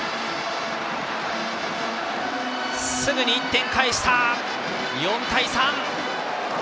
すぐに１点返えした４対３。